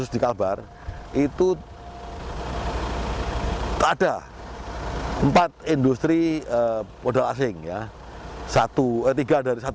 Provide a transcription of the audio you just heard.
di kabar itu ada empat industri modal asing ya